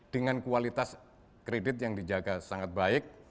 dengan kualitas kredit yang dijaga sangat baik